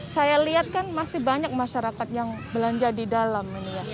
saya lihat kan masih banyak masyarakat yang belanja di dalam ini ya